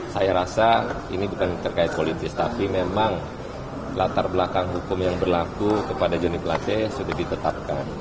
saya rasa ini bukan terkait politis tapi memang latar belakang hukum yang berlaku kepada johnny place sudah ditetapkan